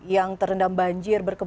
yang terendam banjir